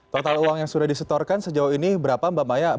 total uang yang sudah disetorkan sejauh ini berapa mbak maya